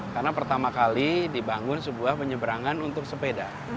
karena pertama kali dibangun sebuah penyeberangan untuk sepeda